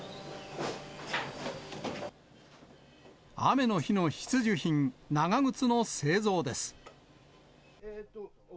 雨の日の必需品、長靴の製造です。